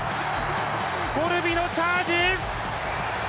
コルビのチャージ！